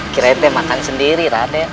kira kira makan sendiri raden